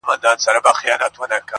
له هیواده د منتر د کسبګرو!.